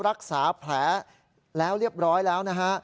รักษาแผลแล้วเรียบร้อยแล้วนะฮะ